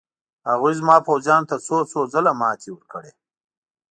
هغوی زما پوځیانو ته څو څو ځله ماتې ورکړې.